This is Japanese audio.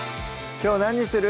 きょう何にする？